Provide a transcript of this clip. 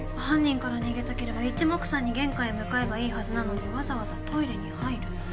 犯人から逃げたければ一目散に玄関へ向かえばいいはずなのにわざわざトイレに入る。